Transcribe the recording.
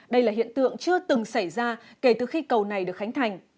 đây là hiện tượng chưa từng xảy ra kể từ khi cầu này được khánh thành